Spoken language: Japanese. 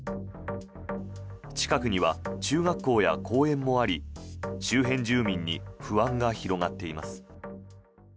近くには中学校や公園もあり周辺住民に不安が広がっています。